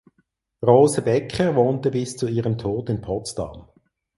Rose Becker wohnte bis zu ihrem Tod in Potsdam.